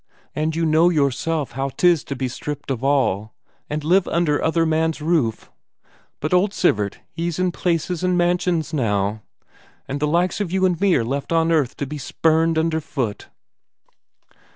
And you know yourself how 'tis to be stripped of all, and live under other man's roof; but old Sivert he's in palaces and mansions now, and the likes of you and me are left on earth to be spurned underfoot."